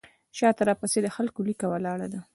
شاته راپسې د خلکو لیکه ولاړه ده.